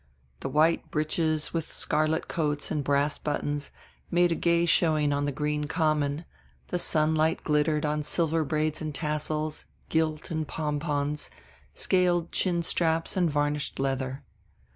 The white breeches with scarlet coats and brass buttons made a gay showing on the green Common, the sunlight glittered on silver braid and tassels, gilt and pompons, scaled chin straps and varnished leather.